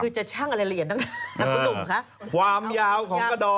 คือจะช่างอะไรเหลี่ยนนะคุณหนุ่มคะ